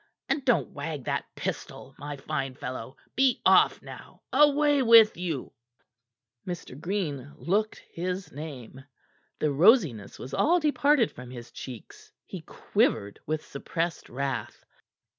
And don't wag that pistol, my fine fellow! Be off, now! Away with you!" Mr. Green looked his name. The rosiness was all departed from his cheeks; he quivered with suppressed wrath.